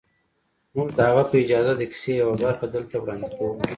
موږ د هغه په اجازه د کیسې یوه برخه دلته وړاندې کوو